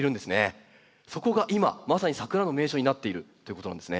そこが今まさにサクラの名所になっているということなんですね。